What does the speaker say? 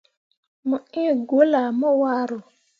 Mo iŋ gwulle ah mo waro.